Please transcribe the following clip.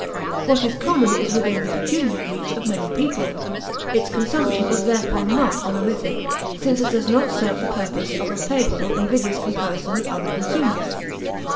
What is common is within the (pecuniary) reach of many people. Its consumption is therefore not honorific, since it does not serve the purpose of a favorable invidious comparison with other consumers.